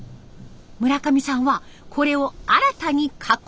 村上さんはこれを新たに加工。